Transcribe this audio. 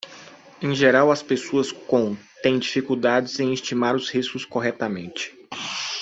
Em geral, as pessoas com? têm dificuldades em estimar os riscos corretamente.